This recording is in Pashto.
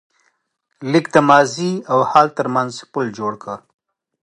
لیک د ماضي او حال تر منځ پُل جوړ کړ.